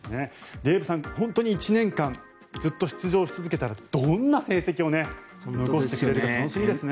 デーブさん、本当に１年間ずっと出場し続けたらどんな成績を残してくれるか楽しみですね。